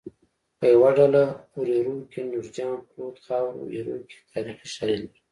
په یوه ډله وریرو کې نورجان پروت خاورو ایرو کې تاریخي شالید لري